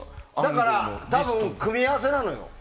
だから、多分組み合わせなのよ。